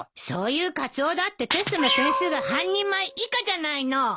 そういうカツオだってテストの点数が半人前以下じゃないの。